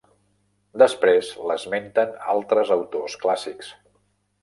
Després l'esmenten altres autors clàssics.